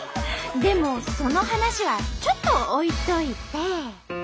でもその話はちょっと置いといて。